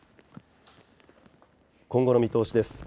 今後の見通しです。